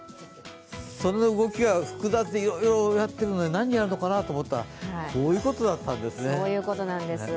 その動きが複雑でいろいろやってるんで何やるのかなと思ったら、こういうことだったんですね。